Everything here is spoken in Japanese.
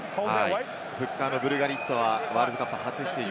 フッカーのブルガリットはワールドカップ初出場。